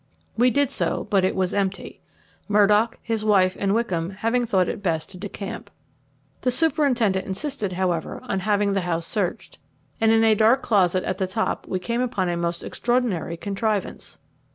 We did so, but it was empty, Murdock, his wife, and Wickham having thought it best to decamp. The superintendent insisted, however, on having the house searched, and in a dark closet at the top we came upon a most extraordinary contrivance.